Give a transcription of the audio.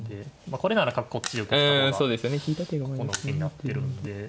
これなら角こっちへ浮かした方がここの受けになってるんで。